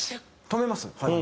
「止めます」？